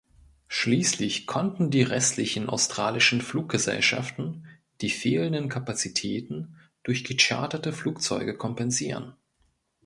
Schließlich konnten die restlichen australischen Fluggesellschaften die fehlenden Kapazitäten durch gecharterte Flugzeuge kompensieren.